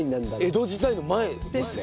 江戸時代の前ですね。